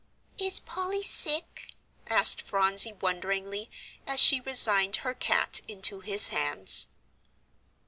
"Is Polly sick?" asked Phronsie, wonderingly, as she resigned her cat into his hands.